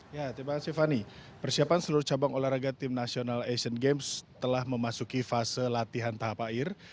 ya terima kasih fani persiapan seluruh cabang olahraga tim nasional asian games telah memasuki fase latihan tahap akhir